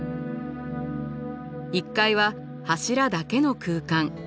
１階は柱だけの空間。